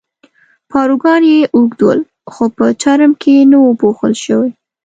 پاروګان ډېر اوږد ول، خو په چرم کې نه وو پوښل شوي.